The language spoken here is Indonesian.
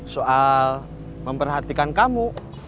soal memperhatikan kamu